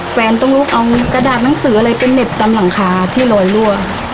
แฟนต้องลุกเอากระดาษหนังสืออะไรไปเหน็บตามหลังคาที่ลอยรั่ว